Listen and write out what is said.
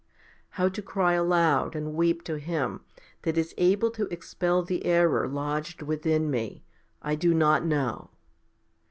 How to cry aloud and weep to Him that is able to expel the error lodged within me, I do not know.